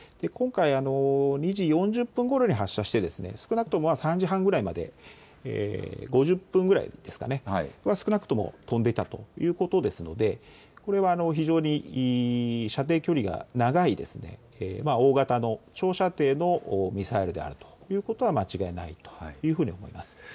今回、２時４０分ごろに発射して少なくとも３時半ぐらいまで５０分ぐらい少なくとも飛んでいたということですので、これは非常に射程距離が長い大型の長射程のミサイルであるということは間違いないと思います。